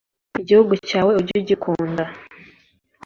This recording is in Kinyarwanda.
igihugu cyawe ujye ugikunda